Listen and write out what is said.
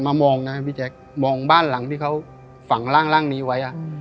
มองนะครับพี่แจ๊คมองบ้านหลังที่เขาฝังร่างนี้ไว้